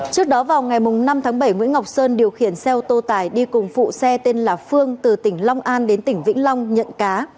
trước đó vào ngày năm tháng bảy nguyễn ngọc sơn điều khiển xe ô tô tải đi cùng phụ xe tên là phương từ tỉnh long an đến tỉnh vĩnh long nhận cá